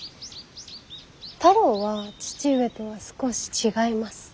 太郎は義父上とは少し違います。